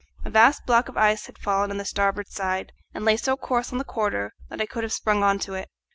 A vast block of ice had fallen on the starboard side, and lay so close on the quarter that I could have sprung on to it.